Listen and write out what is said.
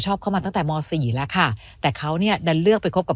เข้ามาตั้งแต่มสี่แล้วค่ะแต่เขาเนี่ยดันเลือกไปคบกับ